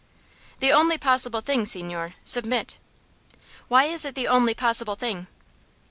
"The only possible thing, signore. Submit." "Why is it the only possible thing?"